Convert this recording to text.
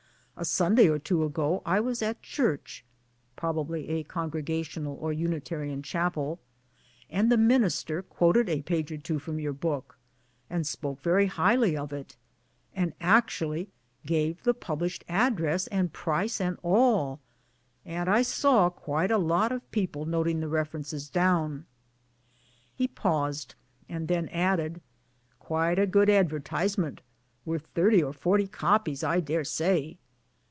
A Sunday or two ago I was at church [probably a Congregational or Unitarian Chapel], and the minister quoted a page or two from your book, and spoke very highly of it, and actually gave the published address and price, and all; and I saw quite a lot of people noting the references down." He paused, and then added, '* Quite a good advertisement worth thirty or forty copies I daresay."